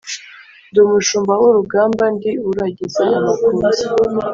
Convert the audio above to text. Ndi umushumba w'urugamba, ndi uragiza amakuza